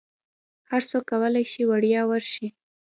هرڅوک کولی شي وړیا ورشي.